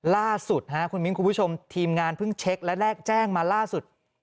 ล่าสุดคุณมิ้นคุณผู้ชมทีมงานเพิ่งเช็คและแลกแจ้งมาล่าสุด